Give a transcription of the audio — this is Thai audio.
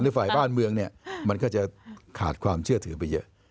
ฝ่ายบ้านเมืองเนี่ยมันก็จะขาดความเชื่อถือไปเยอะ